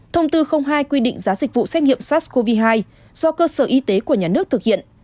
thông tư hai quy định giá dịch vụ xét nghiệm sars cov hai do cơ sở y tế của nhà nước thực hiện